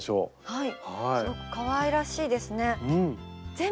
はい。